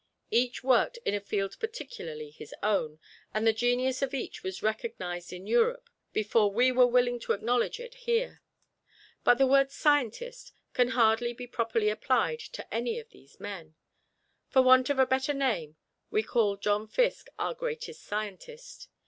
Each worked in a field particularly his own, and the genius of each was recognized in Europe before we were willing to acknowledge it here. But the word "scientist" can hardly be properly applied to any of these men. For want of a better name we call John Fiske our greatest scientist.